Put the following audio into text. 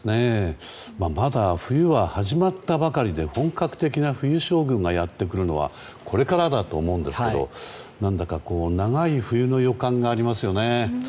まだ冬は始まったばかりで本格的な冬将軍がやってくるのはこれからだと思うんですが何だか長い冬の予感がありますよね。